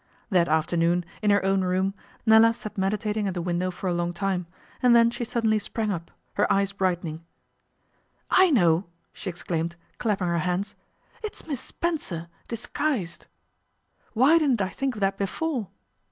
That afternoon, in her own room, Nella sat meditating at the window for long time, and then she suddenly sprang up, her eyes brightening. 'I know,' she exclaimed, clapping her hands. 'It's Miss Spencer, disguised! Why didn't I think of that before?